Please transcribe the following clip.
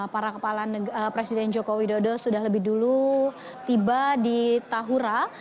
para kepala presiden joko widodo sudah lebih dulu tiba di tahura